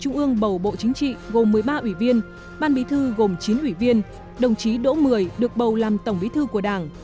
gồm một mươi ba ủy viên ban bí thư gồm chín ủy viên đồng chí đỗ mười được bầu làm tổng bí thư của đảng